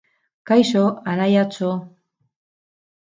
Kaixo, anaiatxo.